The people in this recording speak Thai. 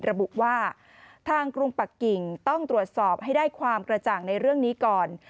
ระบุว่าทางกรุงปักกิ่งต้องตรวจสอบให้ได้ความกระจ่างในเรื่องนี้ก่อน